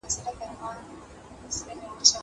زه به اوږده موده موبایل کار کړی وم!!